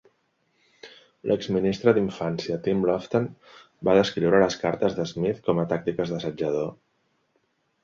L'exministre d'infància Tim Loughton va descriure les cartes de Smith com a "tàctiques d'assetjador".